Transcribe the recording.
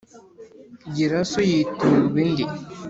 giraso yiturwa indi.